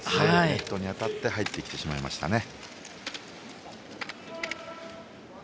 ネットに当たって入ってきてしまいましたね。